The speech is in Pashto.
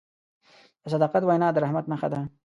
د صداقت وینا د رحمت نښه ده.